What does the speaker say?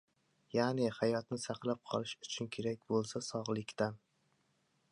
Ya’ni hayotni saqlab qolish uchun kerak bo‘lsa sog‘likdan